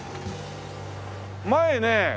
前ね